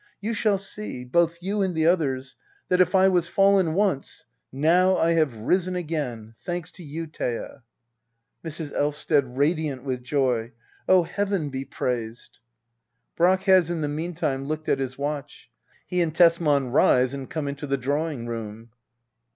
You shall see — both you and the others — that if I was fallen once — now I have risen again! Thanks to you, Thea. Mrs. Elvsted. [Radiartt with joy, 1 Oh, heaven be praised ! [Brack has in the meantime looked at his watch. He and Tesman rise and come into the drawing room.